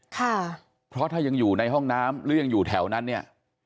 ค่ะเพราะถ้ายังอยู่ในห้องน้ำหรือยังอยู่แถวนั้นเนี่ย